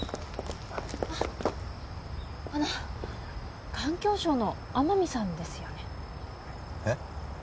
あっあの環境省の天海さんですよねえっ？